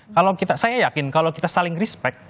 kalau saya yakin kalau kita saling respect